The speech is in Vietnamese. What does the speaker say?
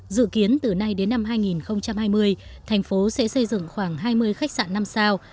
dự kiến từ nay đến năm hai nghìn hai mươi thành phố sẽ xây dựng khoảng hai mươi khách sạn năm sao